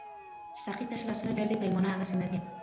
ساقي تش لاسونه ګرځي پیمانه هغسي نه ده